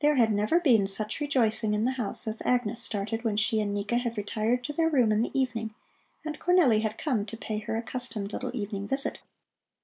There had never been such rejoicing in the house as Agnes started when she and Nika had retired to their room in the evening and Cornelli had come to pay her accustomed little evening visit.